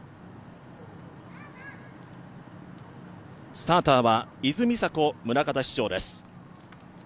スターターは伊豆美沙子宗像市長です。